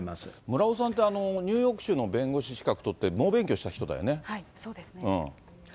村尾さんって、ニューヨーク州の弁護士資格取って、そうですね。